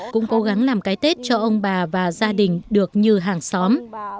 cũng cố gắng làm cái tết cho ông bà và gia đình được như hàng xóm